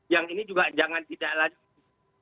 yang ini juga jangan